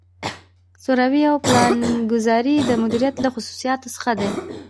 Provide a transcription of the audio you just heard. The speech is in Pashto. سروې او پلانګذاري د مدیریت له خصوصیاتو څخه دي.